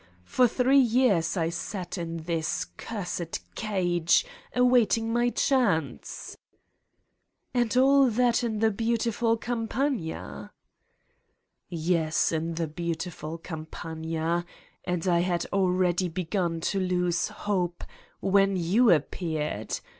For three years I sat in this cursed cage, await ing my chance ...' "And all that in the beautiful Campagna?" "Yes, in the beautiful Campagna ... and I had already begun to lose hope, when you ap peared.